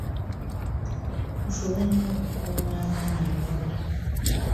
Tufube nnyo okukuuuma abaana abawala.